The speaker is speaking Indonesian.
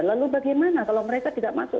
lalu bagaimana kalau mereka tidak masuk